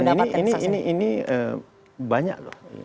dan ini ini ini banyak loh